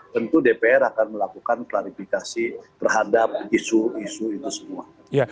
tentu dpr akan melakukan klarifikasi terhadap isu isu itu semua